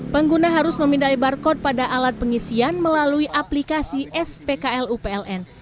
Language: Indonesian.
pengguna harus memindai barcode pada alat pengisian melalui aplikasi spklu pln